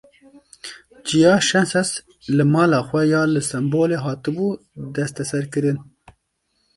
Çiya Şenses li mala xwe ya li Stenbolê hatibû desteserkirin.